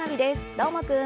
どーもくん！